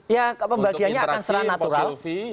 ya pembagiannya akan serah natural